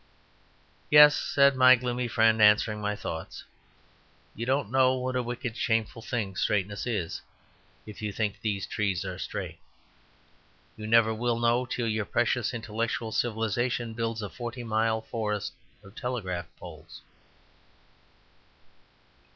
"Yes," said my gloomy friend, answering my thoughts. "You don't know what a wicked shameful thing straightness is if you think these trees are straight. You never will know till your precious intellectual civilization builds a forty mile forest of telegraph poles."